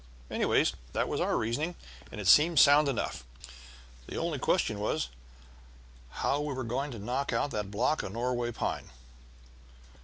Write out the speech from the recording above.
Anyway, that was our reasoning, and it seemed sound enough; the only question was how we were going to knock out that block of Norway pine.